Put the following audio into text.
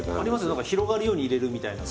なんか広がるように入れるみたいな。